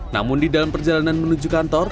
namun di dalam perjalanan menuju kantor